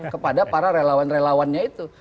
kepada para relawan relawannya itu